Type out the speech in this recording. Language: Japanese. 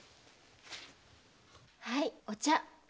はいお茶。